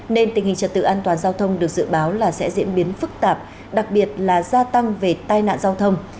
nên tình hình trật tự an toàn giao thông được dự báo là sẽ diễn biến phức tạp đặc biệt là gia tăng về tai nạn giao thông